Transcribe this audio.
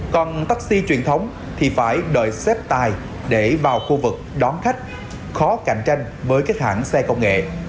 còn taxi truyền thống thì phải đợi xếp tài để vào khu vực đón khách khó cạnh tranh với các hãng xe công nghệ